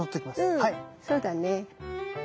うんそうだね。